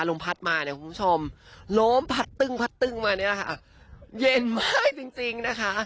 โล้มผัดตึ้งผัดตึ้งมาเนี่ยค่ะเย็นเมื่อยจริงจริงนะคะ